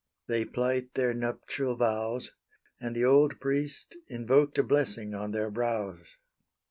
They plight their nuptial vows; And the old priest invoked a blessing on their brows.